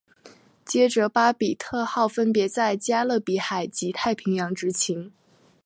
接着巴比特号分别在加勒比海及太平洋执勤。